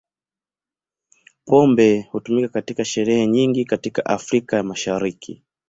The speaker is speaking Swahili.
Pombe hutumika katika sherehe nyingi katika Afrika ya Mashariki.